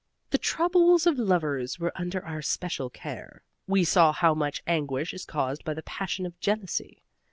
The troubles of lovers were under our special care. We saw how much anguish is caused by the passion of jealousy.